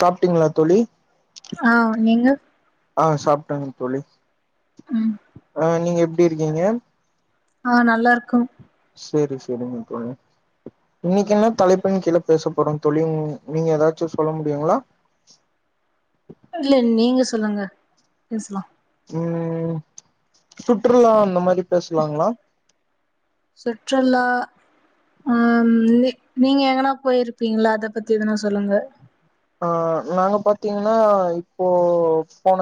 சாப்பிட்டீங்களா தோழி ஆ நீங்க ஆ சாப்பிட்டேங்க தோழி ம் ஆ நீங்க எப்படி இருக்கீங்க ஆ நல்லா இருக்கோம் சரி சரிங்க தோழி இன்னைக்கு என்ன தலைபின் கீழ் பேச போறோம் தோழி நீங்க ஏதாச்சும் சொல்ல முடியுமா இல்ல நீங்க சொ சொல்லுங்க பேசலாம்- ம் சுற்றுலா அந்த மாதிரி பேசலாங்களா- சுற்றலா உம் நீ நீங்க எங்கன்னா போயிருப்பீங்களா அத பத்தி எதனா சொல்லுங்க ஆ நாங்க பாத்தீங்கன்னா இப்போ போன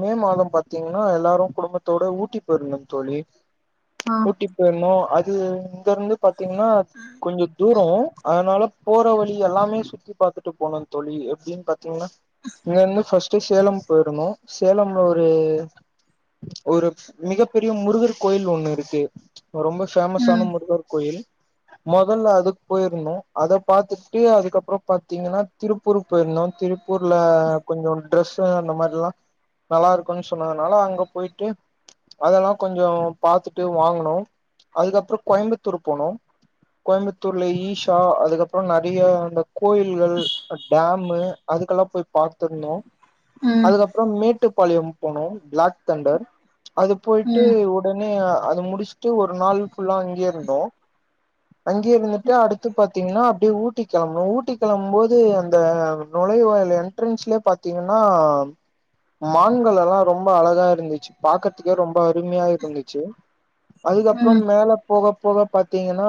மே மாதம் பாத்தீங்கன்னா எல்லாரும் குடும்பத்தோட ஊட்டி போயிருந்தோம் தோழி ஆ ஊட்டி போயிருந்தோம் அது இங்க இருந்து பாத்தீங்கன்னா கொஞ்சம் தூரம் அதனால போற வழி எல்லாமே சுத்தி பார்த்து- [unintelligible] எப்படின்னு பாத்தீங்கன்னா இங்கிருந்து ஃபர்ஸ்ட் சேலம் போயிருந்தோம் சேலம்ல ஒரு ஒரு மிகப்பெரிய முருகர் கோயில் ஒண்ணு இருக்கு ரொம்ப பேமஸ் ஆன ம் முருகர் கோயில் முதல்ல அதுக்கு போயிருந்தோம் அத பாத்துட்டு அதுக்கப்புறம் [unintelligible] திருப்பூர்க்கு போயிருந்தோம் திருப்பூர்ல கொஞ்சம் ட்ரெஸ்சு அந்த மாதிரில்லாம் நல்லா இருக்கும்ன்னு சொன்னதுனால அங்க போயிட்டு அதெல்லாம் கொஞ்சம் பாத்துட்டு வாங்கனோம் அதுக்கப்புறம் கோயம்புத்தூர் போனோம் கோயம்புத்தூர்ல ஈஷா அதுக்கப்புறம் நறைய கோயி- டேமு அதுக்கெல்லாம் போய் பார்த்திருந்தோம் ம் அதுக்கப்புறம் மீட்டு- பாளையம் போனோம் பிளாக் தெண்டர் அது போயிட்டு ம் ஓடனே அது முடிச்சுட்டு ஒரு நாள் புல்லா அங்கே இருந்தோம் அங்கே இருந்துட்டு அடுத்து பா்த்தீங்கன்னா அப்டியே ஊட்டி கெளம்புனோம் ஊட்டிக்கு கிளம்பும்போது அந்த நுழைவாயில் என்ட்ரன்ஸ்லயே பாத்தீங்கன்னா மான்கலெல்லாம் ரொம்ப அழகா இருந்துச்சு பாக்கறத்துக்கே ரொம்ப அருமையா இருந்துச்சு ம் அதுக்கப்பறம் மேல போக இப்போவே இப்ப தான் பாத்திங்கன்னா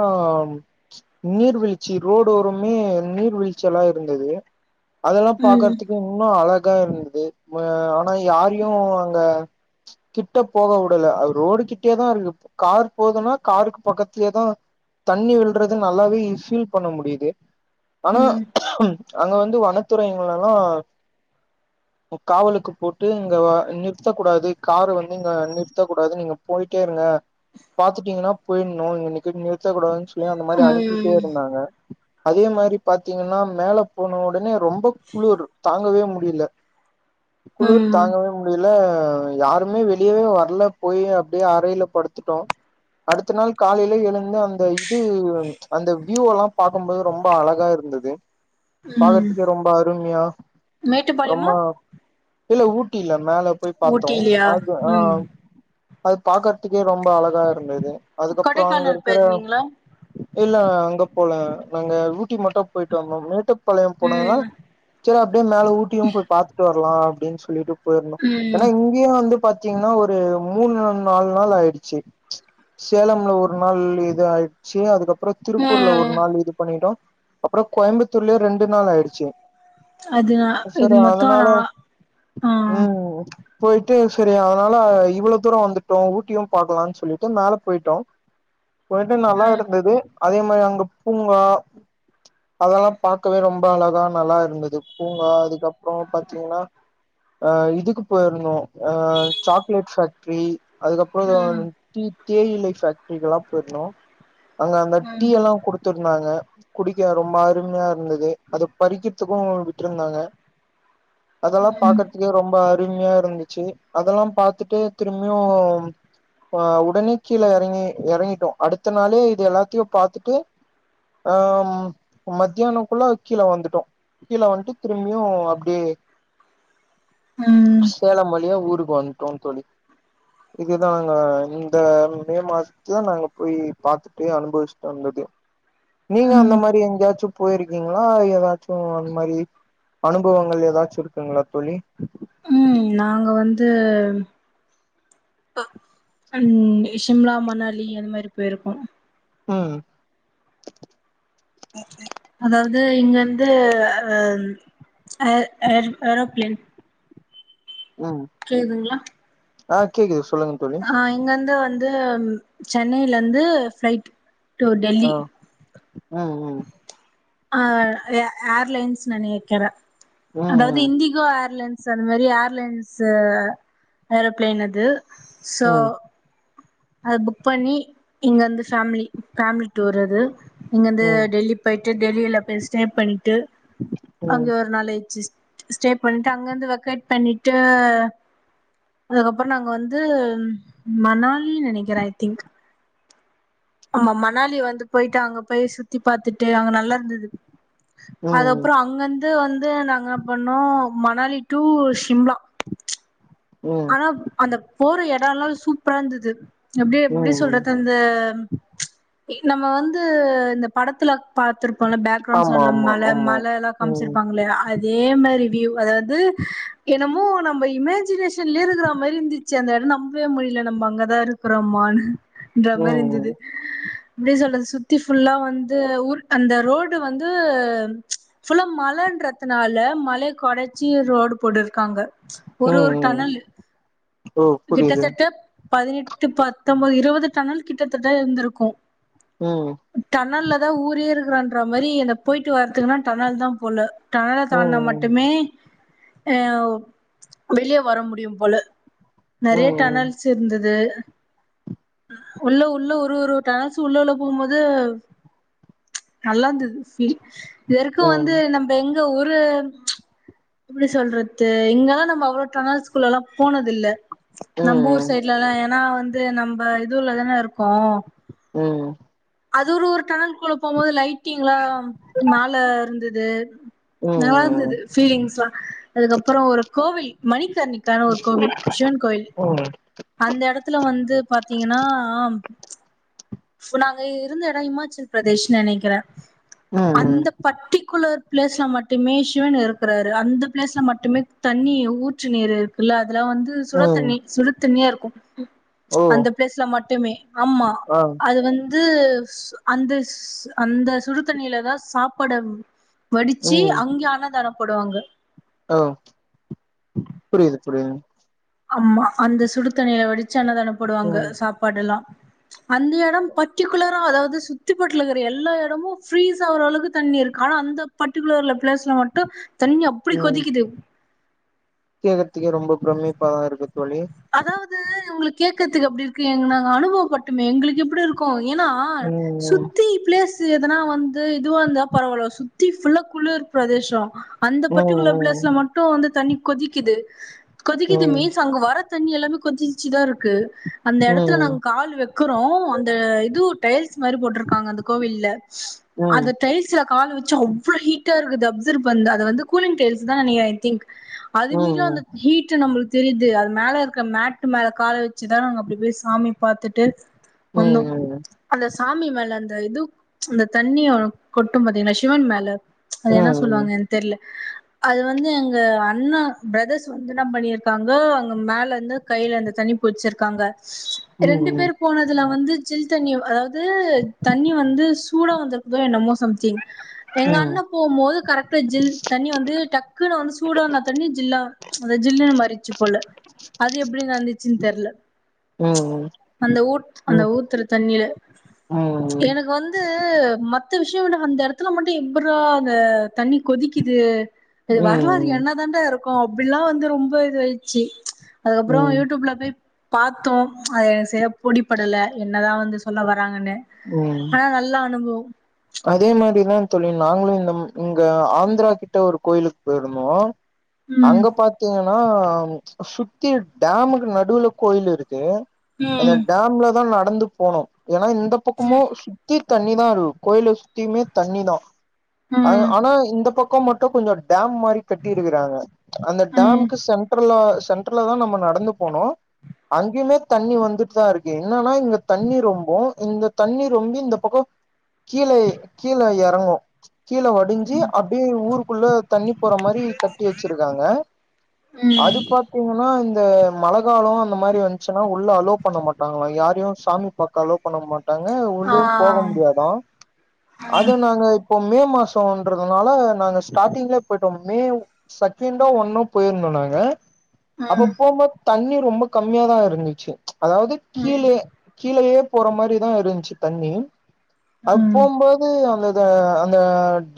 நீர்வீழ்ச்சி ரோடோருமே நீர் வீழ்ச்செல்லா இருந்தது அதெல்லாம் ம் பாக்குறதுக்கு இன்னும் அழகா [unintelligible] இருந்தது ஆனா யாரையும் அங்க கிட்ட போக உடுல அது ரோடு கிட்டேதான் இருக்கு கார் போதுன்னா காருக்கு பக்கத்தலயே தான் தண்ணி விழுறது நல்லாவே பீல் பண்ண முடிது ஆனா ம் அங்க வந்து வனத்துறைங்க லெல்லாம் காவலுக்கு போட்டு இங்க நிறுத்த கூடாது கார வந்து இங்க நிறுத்த கூடாது நீங்க போயிட்டே இருங்க பாத்துட்டிங்கன்னா போயின்ணும் இங்க நிறுத்த கூடாதுன்னு அந்த மாதிரி அனுப்பிட்டே ம் இருந்தாங்க அதே மாரி பாத்தீங்கன்னா மேல போன உடனே ரொம்ப குளுரு தாங்கவே முடியல குளிர் ம் தாங்கவே முடில ல யாருமே வெளியவே வரல போய் அப்டியே அறைல படுத்துட்டோ அடுத்த நாள் காலையில எழுந்து அந்த இது அந்த வயூ எல்லா பாக்கும் போது ரொம்ப அழகா இருந்தது இருந்தது பாக்கறதுக்கு ரொம்ப அருமையா ரொம்ப மேட்டுபாளையமா இல்ல ஊட்டி இல்ல மேல போய் பாத்தோ அது ம் ஆஹ் அது பாக்கர்த்துக்கே ரொம்ப அழகா இருந்தது அதுக்கப்பறோ அங்க கொடைக்கானல் இருக்கற போயிருந்தீங்களா இல்ல அங்க போல நாங்க ஊட்டி மட்டும் போயிட்டு வந்தோம் மேட்டுப்பாளையம் போனாங்களா ம் சேர் அப்டியே மேலே ஊட்டியும் போய் பாத்துட்டு வர்லா அப்டின்னு சொல்லிட்டு போயி இருந்தோ ஏன்னா ம் இங்கயு வந்து பாத் பாத்தீங்கன்னா ஒரு மூணு நாள் நாலு நாள் ஆயிடுச்சு சேலம்ல ஒரு நாள் இதாயிடுச்சு அதுக்கப் அப்பறோ திருப்பூர்ல ஒரு ம் நாள் இது பண்ணிட்டோம் அப்பறோ கோயமத்தூர்லியே ரெண்டு நாளாயிடுச்சு அது அ இது மொத்த நா ஆஹ் ம் போயிட்டு சேரி அதனால இவ்வளோ தூரோ வந்துட்டோ ஊட்டியும் பாக்கலாம்னு சொல்லிட்டு மேல போயிட்டோம் போயிட்டு ம் நல்லாயிருந்தது அதே மாரி அங்க பூங்கா அதெல்லா பாக்கவே ரொம்ப அழகா நல்லா இருந்தது பூங்கா அதுக்கப்பறோ பாத்திங்கன்னா அஹ் இதுக்கு போயிருந்தோ அஹ் சாக்லேட் ஃபேக்ட்ரி அதுக்கப்பறோ ம் வந்து டீ தேயிலை ஃபேக்ட்ரிக் எல்லா போயிருந்தோ அங்க அங்க டீ ம் எல்லா குடுத்திருந்தாங்க குடி டீ ரொம்ப அருமையா இருந்தது அத பறிக்கறதுக்கும் விட்டிருந்தாங்க அதெல்லாம் ம் பாக்கறதுக்கு ரொம்ப தூர்மையா இருந்துச்சி அதெல்லா பாத்துட்டு திரும்பியு உடனே கீழே எறங்கி எறங்கிட்டோ அடுத்த நாளே இது எல்லாத்தையு பாத்துட்டு அ ம் மத்தியானம்க்குள்ள கீழே வந்துட்டோ கீழே வந்துட்டு திரும்பியும் அப்டியே ம் சேலம் வழியா ஊர் ஊருக் வந்துட்டோம் தோழி இதுதா எங்க இந்த மே மாசத்துல நாங்க போய் பாத்துட்டு அனுபவிச்சுட்டு வந்தது நீங்க ம் அந்த மாரி எங்காச்சும் போயிருக்கீங்களா ஏதாச்சும் அந்த மாரி அனுபவங்கள் ஏதாச்சும் இருக்குங்களா தோழி உம் நாங்க வந்து உம் சிம்லா மணாலி அது மாரி போயிருக்கோ உஹம் அதாவுது இங்க இருந்து அ அ ஏரோபிளேன் ம் கேக்குதுங்ளா ஆ கேக்குது சொல்லுங்க தோழி ஆ இங்கந்து வந்து சென்னைல இருந்து ஃபிளைட் டு டெல்லி ஆ ம் ம் ஆ ஏ ஏர்லைன்ஸ் நெனைக்கறே அதாது ம் இண்டிகோ ஏர்லைன் ஸ் அந்த மாரி ஏர்லைன்ஸ் ஏரோப்ளேன் அது சோ ம் அது புக் பண்ணி இங்க இருந்து ஃபேமிலி ஃபேமிலி டூர் அது இங்கருந்து ம் டெல்லி போய் ட்டு டெல்லில போய் ஸ்டே பண் ட்டு அங்க ம் ஒரு நாள் எச்சு ஸ்டே பண்ட்டு அங்கந்து வெகேட் பண்ணிட்டு அதுக்கப்புற நாங்க வந்து மணால் லி நெனைக்கற ஐ திங்க் ஆமா மணாலி வந்து போயிட்டு அங்க போய் சுத்தி பாத்துட்டு அங்க நல்லாருந்துது ம் அதப்புற அங்கந் து வந்து நாங்க என்ன பண்ணோ மணாலி டு ஷிம்லா ம் ம் ம் ஆனா அந்த போற எட எல்லா சூப்ராருந்துது எப்டி எப்டி ம் சொல்றது அந்த நம்ம வந்து இந்த படத்துல பாத்துருப்போ இல்ல பேக்ரவுண்ட் ஆமா சவுண்ட்ல ஆமா மல ஆமா மலல்லா ம் காமிச்சிருப்பாங்க இல்லயா அதே மாரி வ்யு அதாது என்னமோ நம்ம இமேஜினேஷன் ல இருக்கிற மாரி இருந்துச்சு அந்த எட நம்பவே முடில நம்ம அங்கதா இருக்கிறமானு இந்த ம் மார்ருந்துது எப்டி சொல்றது சுத்தி ஃபுல்லா வந்து உர் அந்த ரோடு வந்து ஃபுல்லா மலன்றதுனால மலய கொடச்சி ரோடு போட்டுருக்காங்க ஒரு ஒரு ஓ டனல் ஓ புரியுது கிட்டத்தட்ட பதினெட்டு பத்தொன்பது இருபது டன்னல் கிட்டத்தட்ட இருந்திருக்கும் ம் அதா ஊரே இருக்குறன்ற மாரி அந்த போயிட்டு வரத்துக்குன்னா டனால் தா போல டனல தாண்னா ம் மட்டுமே அஹ் வெளிய வர முடியும் போல ம் நெறைய ம் டனல்ஸுருந்தது உள்ள உள்ள ஒரு ஒரு டனசு உள்ள உள்ள போகும்போது நல்லாருந்தது இ இதற்க்கு ம் வந்து ம் நம்ப எங்க ஒரு எப்புடி சொல்றது இங்கல்லா நம்ம அவ்ளோ டனால் ஸ்கூல்லல்லாம் போனது இல்ல நம்ப ஊர் ம் சைட்லல்லா ஏனா வந்து அது நம்ம இதுலதான இருக்கோ உம் அது ஒரு ஒரு டனல் குள்ள போகும்போது லைட்டிங்லா மேல இருந்து து ம் நல்லா ம் இருந்தது ஃபீலிங்ஸ்ல்லா அதுக்கப்புறோ ஒரு கோவில் மணிக் சண்ணிக்கானு ஒரா கோவில் சிவன் கோயில் அந்த எடத்துல வந்து பாத்தீங்ன்னா ஃபுன்னா நாங்க இருந்த இட இம ச்சலபிரதேஷ் நெனைக்கிறே அந்த பர்ட்டிகுலர் பிளேஸ்ல மட்டுமே சிவன் இருக்குறாரு அந்த பிளேஸ்ல மட்டுமே தண்ணி ஊற்று நீர் இருக்குல்ல அதெல்லா வந்து சுட ம் தண்ணி சுடு தண்ணியாருக்கு கும் ஓ அந்த பிளேஸ்ல மட்டுமே ஆமா ஆ வந்து சு அந்த ஸ் அந்த சுடுதண்ணில தா சாப்பட வடிச்சி அங்கேயே அன்னதானம் போடுவாங்க ஹ புரியிது புரியிதுங் அம்மா அந்த சுடு தண்ணில வடிச் சு அண்ணதானம் போடுவாங்க ம் சாப்பாடெல்லா அந்த எடம் பர்ட்டிகுலரா அதாவது சுத்தி பட்லருக்கற எல்லா எடமு ப்ரீஸாவரளவுக்கு தண்ணி இருக்கு ஆன அந்த பர்ட்டிகுலர்ல பிளேஸ்ல மட்டு தண்ணி அப்டி கொதிக்குது [unintelligible] த்துகே ரொம்ப பிரமிப்பாதா இருக்கு தோழி க்கத்துக்கு எப்டிருக்கு ஏங் நாங்க அனுபவோப்பட்டமே எங்ளுக்கு எப்டி இருக்கு ஏனா ம் சுத்தி ப்ளேஸ் து எதனா வந்து இதுவ இருந்தா பரவால சுத்தி ஃபுல்லா குளிர் பிரதேசஷோ அந்த பர்டிகுலர் ம் பிளேஸ்ல மட்டு வந்து தண்ணி கொதிக்கிது கொதிக்குது ம் மீஸ் அங்க வர தண்ணி எல்லாமே கொஞ்சி சிதா இருக்கு அந்த எடத்துல ம் நாங்க கால் வெக்குறோ அந்த இது டைல்ஸ் மாரி போட்ருக்காங்க அந்த கோவில்ல ம் அந்த டைல்ஸ்ல காலு வெச்சு அவ்ளோ ஹுட் ட்டேருக்குது அப்சர்வ் பண்ல அத வந்து கூலி்ங் டைல்ஸ் தா நெனைக்கிறே ஐ திங்க் அது ம் மீறீயு அந்த ம் ஹீட்டு நம்ளுக்கு தெரியிது அது மேல இருக்க மேட்டு மேல கால வ ச்சுதா நாங்க அப்டி போய் சாமி பாத்துட்டு வந்தோ ம் அந்த சாமி மேல அந்த இது அந்த தண்ணிய கொட்டு பாத்தீங்களா சிவன் மேல அது ம் என்னா ம் சொல்லுவாங்க என்க் தெர்ல அது வந்து எங்க அண்ணா பிரதர்ஸ் [unintelligible] என்ன பண்ணிருக்காங்க அங்க மேலருந்து கைல அந்த தண்ணி புட்ச்சிருக்காங்க ரெண்டு ம் பேர் போனதுல வந்து சில் தண்ணியவா அதாது து தண்ணி வந்து சு சூடா வந்திருக்குதோ என்னமோ சம்திங் எங்க ம் அண்ண போம்போது கரெட்டா ஜில் தண்ணி வந்து டக்குனு வந்து சூடனா தண்ணி ஜில்லா ஜில்லுன்னு மாறிச்சி போல அது எப்டி நடந்துச்சின்னு தெர்ல அந்த ஊர் அந்த ஊத்துரத் தண்ணில எனக்கு வந்து மொட் மத்த விஷயோ விட அந்த எடத்துல மட்டு எப்பர்ரா அந்த தண்ணி கொதிக்கிது இது வரலாறு ம் ம் என்னதாண்டாருக்கு வந்து ரொம்ப இதுவாயிச்சு அதுக்கப்றோ ம் யூடியூப்ல போய் பாத் தோம் அது எனக்கு செரியா புடிப்படல என்னதா வந்து சொல்லவ வராங்கனு ம் ஆனா நல்லா அனுபவோ அதே மாரிதா தோழி நாங்களு இந்த இங்க ஆந்திரா கிட்ட ஒரு கோயிலுக்கு போயிருந்தோ ம் அங்க பாத்தீங் ன்னா சுத்தி டாமுக்கு நடுவுல கோயில் இருக்கு அந்த ம் டாம்ல தா நட் நடந்து போனோ ஏன்னா இந்த ம் பக்கமு சுத்தித் தண்ணி தா லு கோயில சுத்தியுமே தண்ணி தா அ ம் ஆனா இந்த பக் கோ மட்டு கொஞ்சோ டாம் மாரி கட்டிருக்காங்க அந்த ம் டாமுக்கு சென்ட்ரல சென்டரல தா நாம நடந்து போணு அங்கேயுமே தண்ணி வந்துட்டு தா இருக்கு என்னன்னா இங்க தண்ணி ரொம்போ இந்த தண்ணி ரொம்பி இந்த பக்கோ கீழே கீழே எறங்கு கீழ வடிஞ்சு அப்டியே ஊருக்குள்ள தண்ணி போற மாரி கட்டி வச்சிருக்காங்க ம் அது பாத்தீங்னா இங் இப்ப மழகாலோ அந்த மாரி வந்துச்சுனா உள்ள அலோ பண்ண மாட்டாங்களா யாரையு சாமி பாக்க அலோ பண்ண மாட் டாங்க ஆ உள்ளையு போக முடியாதா அதுவு நாங்க இப் இப்ப மே மாசோன்றதுனால நாங்க ஸ்டாட்டிங்லே போயிட்டோம் மே செக்கேண்தா ஒன்னோ போயிருந்தோ நாங்க ம் அப்ப ம் போம் போது தண்ணி ரொம்ப கம்மியாதா இருந்துச்சு அதாவது ம் கீழே கீழேயே போற மாரிதா இருந்ச்சு தண்ணி அது ம் போம்போது அந்த அ அந்த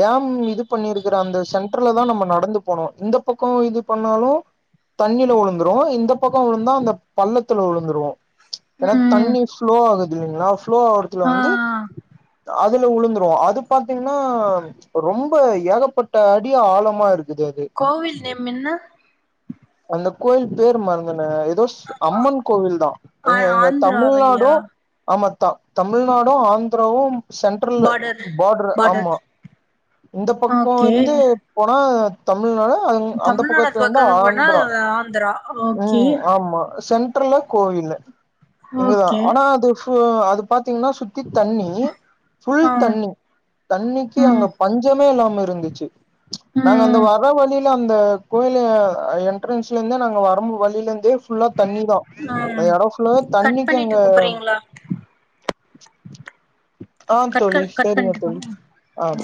டேம் இது பண்ணிருக்கிற அந்த சென்டர்ல தா நம்ம நடந்து போணு இந்த பக்கோ இது பண்ணாலு தண்ணில விழுந்துருவோ இந்த பக்கோ விழுந்தா அந்த பள்ளத்துல விழுந்துருவோ ஏன்னா ம் தண்ணி ஃப்ளோ ஆகுதில்லிங்களா ஃப்ளோ ஆவுறதுல ஆ வந்து அதுல விழுந்துரும் அது பாத்தீங்கன்னா ரொம்ப ஏகப்பட்ட அடிய ஆழமா இருக்கு கோவில் நேம் என்ன அந்த கோயில் பேர் மருந்தன தோ அம்மன் கோவில் தான் ஆ எங்க எங்க ஆந்திராவல்லியா தமிழ்நாடும் ஆம த தமிழ்நாடும் ஆந்திராவும் சென்ட்ரல் பார்டர் பார்டர் ஆமா இந்த பக்கம் ஓகே வந்து போனா தமிழ்நாடு அந்த தமிழ்நாடு பக்கத்த இருந்தா பக்கத்து ஆ போனா ப்ரா ஆந்திரா ஓகே உம் ஆமா சென் சென்டர்ல கோவில் இங்கதான் ஓகே ஆனா அது ஓ அது பாத்தீங்கன்னா சுத்தி தண்ணி ஃபுல் ஆ தண்ணி தண்ணிக்கு ம் அங்க பஞ்சமே இல்லாம இருந்துச்சு ம் நாங்க அந்த ம் வர வழில் த அந்த கோய்லே என் என்ட்ரன்ஸ்லந்தே நாங்க வரம்பு வழிலந்தே ஃபுல்லா தண்ணி தா அது எடொ ஃபுல்லாவே கட் தண்ணிக்கு பண்ணிட்டு அங்க கூப்பறீங்களா ஆஹ் கட் தோழி கட் கட் சேரிங்க பண்ணிட்டு தோழி கூப் ஆஹ்